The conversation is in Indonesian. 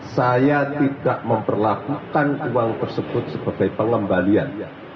saya tidak memperlakukan uang tersebut sebagai pengembalian